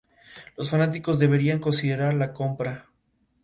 Participó en varias obras contemporáneas y en papeles de carácter hasta su retiro.